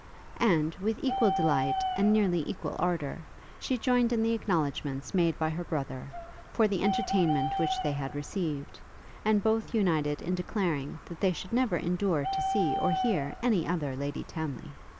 And, with equal delight, and nearly equal ardour, she joined in the acknowledgements made by her brother, for the entertainment which they had received; and both united in declaring that they should never endure to see or hear any other Lady Townly.